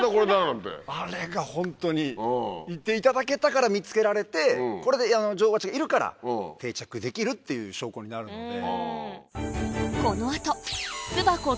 あれがホントにいていただけたから見つけられてこれで女王バチがいるから定着できるっていう証拠になるので。